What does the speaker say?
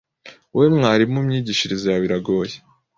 wowe mwarimu imyigishirize yawe iragoye